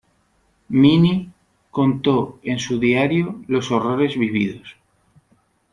Minnie contó en su diario los horrores vividos.